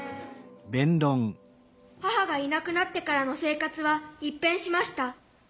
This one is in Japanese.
母がいなくなってからの生活は一変しました。